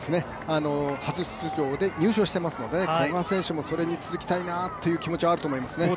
初出場で入賞していますので古賀選手もそれに続きたいという思いがあると思います。